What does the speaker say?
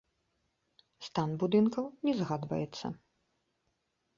Стан будынкаў не згадваецца.